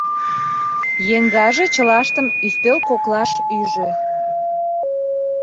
Еҥгаже чылаштым ӱстел коклаш ӱжӧ.